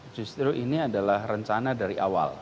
justru ini adalah rencana dari awal